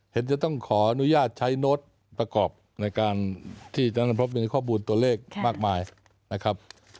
จะต้องขออนุญาตใช้โน้ตประกอบในการที่จะต้องพบในข้อมูลตัวเลขมากมายนะครับ